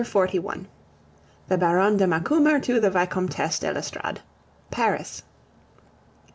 XLI. THE BARONNE DE MACUMER TO THE VICOMTESSE DE L'ESTORADE Paris.